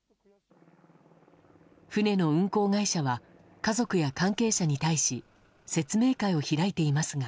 船の運航会社は家族や関係者に対し説明会を開いていますが。